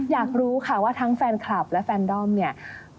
อยากรู้ค่ะว่าทั้งแฟนคลับและแฟนด้อมเนี่ย